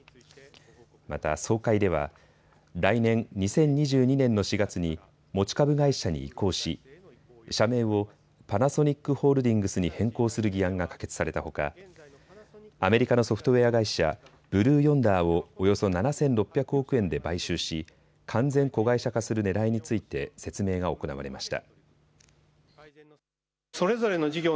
また総会では来年・２０２２年の４月に持ち株会社に移行し社名をパナソニックホールディングスに変更する議案が可決されたほか、アメリカのソフトウエア会社、ブルーヨンダーをおよそ７６００億円で買収し完全子会社化するねらいについて説明が行われました。